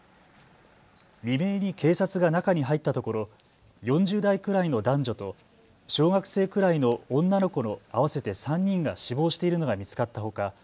未明に警察が中に入ったところ４０代くらいの男女と小学生くらいの女の子の合わせて３人が死亡しているのが見つかったほか